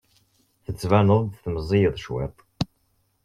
Tettbaneḍ-d meẓẓiyeḍ cwiṭ.